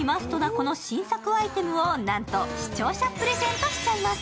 この新着アイテムをなんと視聴者プレゼントしちゃいます。